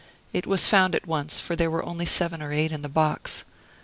It was found at once, for there were only seven or eight in the box.